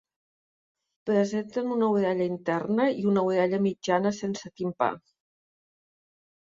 Presenten una orella interna i una orella mitjana sense timpà.